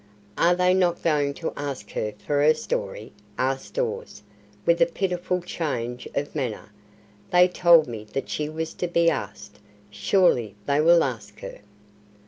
"Are they not going to ask her for her story?" asked Dawes, with a pitiful change of manner. "They told me that she was to be asked. Surely they will ask her."